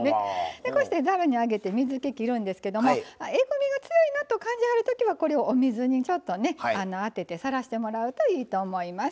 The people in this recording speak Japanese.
こうしてざるに上げて水け切るんですけどもえぐみが強いなと感じはるときはこれをお水にちょっとあててさらしてもらうといいと思います。